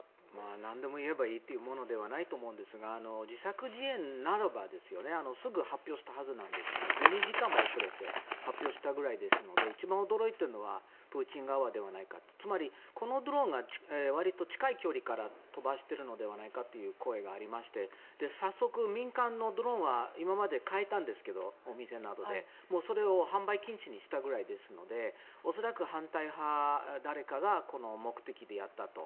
なんでも言えばいいというものではないと思うんですが自作自演ならばすぐ発表したはずなんですが１２時間も遅れて発表したぐらいですので一番驚いているのはプーチン側ではないかと。つまり、このドローンがわりと近い距離から飛ばしてるんじゃないかという声がありまして早速、民間のドローンは今までお店などで買えたんですがもうそれを販売禁止にしたぐらいですので恐らく反対派、誰かがこの目的でやったと。